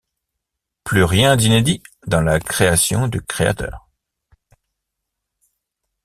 Plus rien d’inédit dans la création du créateur!